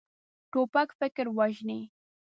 توپک فکر وژني.